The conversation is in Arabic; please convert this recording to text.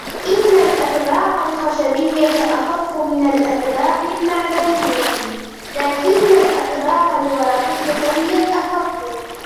إن الأطباق الخشبية أخف من الأطباق المعدنية، لكن الأطباق الورقية هي الأخف